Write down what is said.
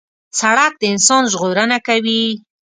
سړک د انسان ژغورنه کوي.